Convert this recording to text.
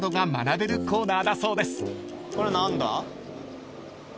これ何だ？